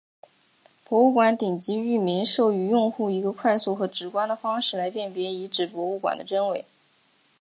博物馆顶级域名授予用户一个快速和直观的方式来辨别遗址博物馆的真伪。